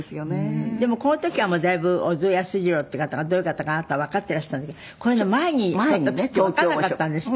でもこの時はもうだいぶ小津安二郎っていう方がどういう方かあなたわかっていらしたんだけどこれの前に撮った時わかんなかったんですって？